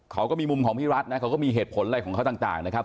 เขาก็มีมุมของพี่รัฐนะเขาก็มีเหตุผลอะไรของเขาต่างนะครับ